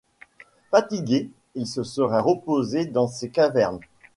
Fatigué, il se serait reposé dans ces cavernes..